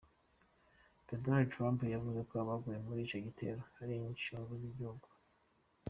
Prezida Donald Trump yavuze ko abaguye muri ico gitero ari incungu z'igihugu.